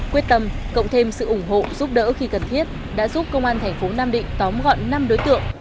quyết tâm cộng thêm sự ủng hộ giúp đỡ khi cần thiết đã giúp công an thành phố nam định tóm gọn năm đối tượng